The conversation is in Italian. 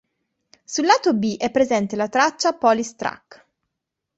Sul lato B è presente la traccia "Police Truck".